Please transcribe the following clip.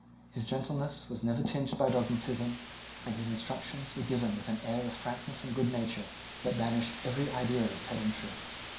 His gentleness was never tinged by dogmatism, and his instructions were given with an air of frankness and good nature that banished every idea of pedantry.